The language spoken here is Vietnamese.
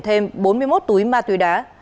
thêm bốn mươi một túi ma túy đá